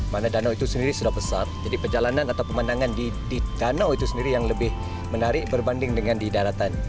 mana danau itu sendiri sudah pesat jadi perjalanan atau pemandangan di danau itu sendiri yang lebih menarik berbanding dengan di daratan